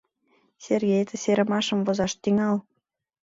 Сергей, тый серымашым возаш тӱҥал.